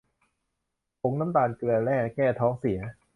ผงน้ำตาลเกลือแร่ แก้ท้องเสีย